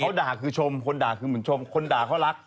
เขาด่าคือชมคนด่าคือเหมือนชมคนด่าเขารัก